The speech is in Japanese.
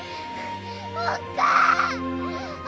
おっかあ！